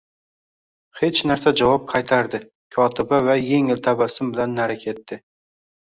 Hech narsa javob qaytardi kotiba va engil tabassum bilan nari ketdi